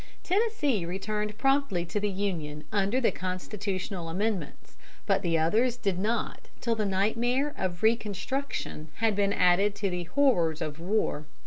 Tennessee returned promptly to the Union under the Constitutional Amendments, but the others did not till the nightmare of Reconstruction had been added to the horrors of war.